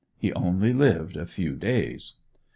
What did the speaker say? He only lived a few days.